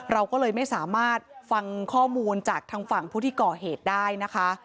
เราก็เลยไม่สามารถฟังข้อมูลจากทางฝั่งผู้ที่ก่อเหตุได้นะคะ